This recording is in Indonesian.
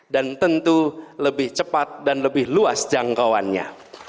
dan tentu lebih cepat dan lebih luas jangkauannya